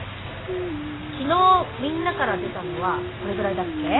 昨日みんなから出たのはこれぐらいだっけ？